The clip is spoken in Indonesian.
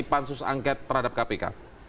pansus angket terhadap kpk